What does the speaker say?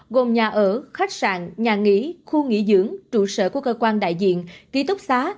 gồm nhà ở khách sạn nhà nghỉ khu nghỉ dưỡng trụ sở của cơ quan đại diện ký túc xá